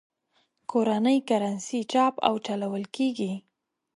کورنۍ کرنسي چاپ او چلول کېږي.